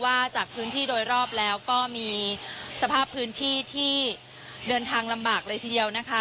จากพื้นที่โดยรอบแล้วก็มีสภาพพื้นที่ที่เดินทางลำบากเลยทีเดียวนะคะ